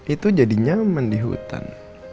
itu jadi nyaman di hutan